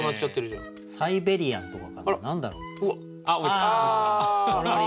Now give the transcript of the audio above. サイベリアンとかかな何だろう。